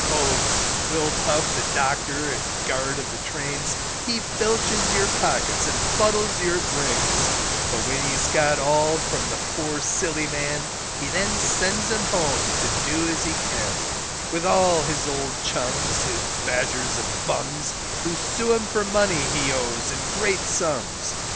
Old Swilltub the doctor and guard of the Trains, He filches your pockets and fuddles your brains; But when he's got all from the poor silly man, He then sends him home to do as he can, With all his old chums, his badgers and bums, Who sue him for money he owes in great sums.